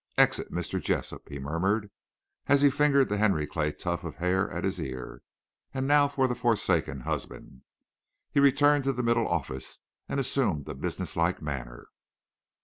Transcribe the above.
"Exit Mr. Jessup," he murmured, as he fingered the Henry Clay tuft of hair at his ear. "And now for the forsaken husband." He returned to the middle office, and assumed a businesslike manner.